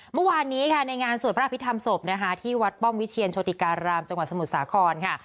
เมื่อวานนี้ในงานสวัสดิ์พระพิธามศพที่วัดป้อมวิเชียรโชติการรามจังหวัดสมุทรสาครค่ะ